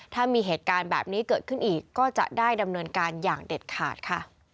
ถ้ามีเหตุการณ์แบบนี้เกิดขึ้นอีกก็จะได้ดำเนินการอย่างเด็ดขาดค่ะ